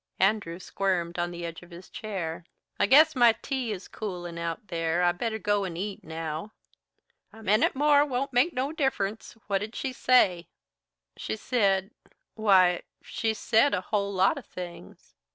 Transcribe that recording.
Andrew squirmed on the edge of his chair. "I guess my tea is coolin' out there. I'd better go and eat, now." "A minute more won't make no difference. What did she say?" "She said why, she said a whole lot of things.